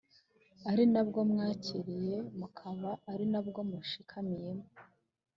ari na bwo mwakiriye mukaba ari na bwo mushikamyemo